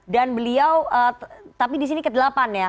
dan beliau tapi di sini ke delapan ya